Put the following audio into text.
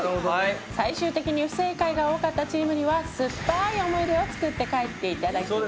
最終的に不正解が多かったチームには酸っぱい思い出を作って帰っていただきます。